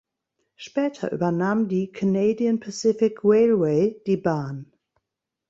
Später übernahm die Canadian Pacific Railway die Bahn.